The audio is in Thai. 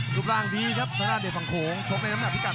สุดพล่างดีครับตอนนั้นเดชน์ฝังโขงชมในน้ำหน้าพิการ๕๗๕